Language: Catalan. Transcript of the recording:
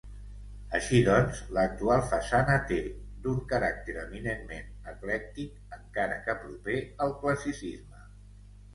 Així doncs, l'actual façana té d'un caràcter eminentment eclèctic, encara que proper al classicisme.